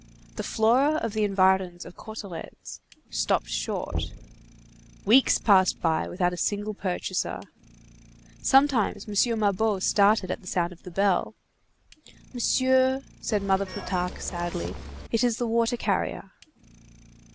The Flora of the Environs of Cauteretz_ stopped short. Weeks passed by without a single purchaser. Sometimes M. Mabeuf started at the sound of the bell. "Monsieur," said Mother Plutarque sadly, "it is the water carrier."